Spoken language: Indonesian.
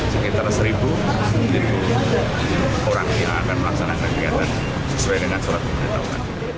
sekitar satu orang yang akan melaksanakan kegiatan sesuai dengan surat pemberitahuan